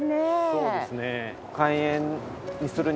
そうですね。